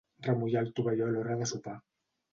Remullar el tovalló a l'hora de sopar.